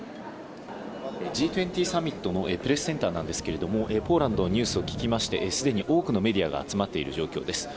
Ｇ２０サミットのプレスセンターなんですけれどもポーランドのニュースを聞きましてすでに多くのメディアが集まっている状況です。